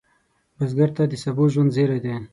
بزګر ته د سبو ژوند زېری دی